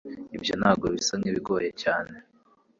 Ibyo ntabwo bisa nkibigoye cyane